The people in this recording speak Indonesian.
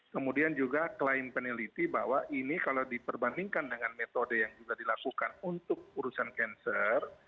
kemudian juga klaim peneliti bahwa ini kalau diperbandingkan dengan metode yang juga dilakukan untuk urusan cancer